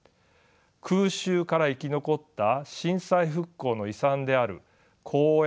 空襲から生き残った震災復興の遺産である公園